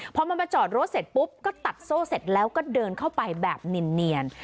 พอมันมาจอดรถเสร็จปุ๊บก็ตัดโซ่เสร็จแล้วก็เดินเข้าไปแบบเนียน